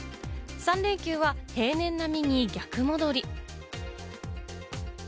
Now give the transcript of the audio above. ３連休は平年並みに逆戻り。